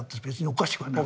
おかしくはない。